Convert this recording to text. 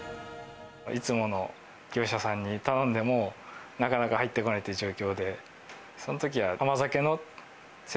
いつもの業者さんに頼んでも、なかなか入ってこないっていう状況で。